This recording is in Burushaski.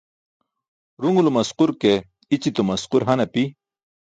Ruṅulum asqur ke i̇ćitum asqur han api.